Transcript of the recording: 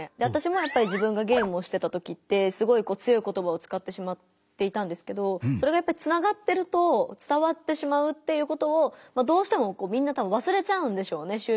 わたしもやっぱり自分がゲームをしてた時ってすごいこう強い言葉をつかってしまっていたんですけどそれがやっぱりつながってると伝わってしまうっていうことをどうしてもこうみんなたぶんわすれちゃうんでしょうね